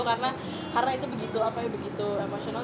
karena itu begitu emosional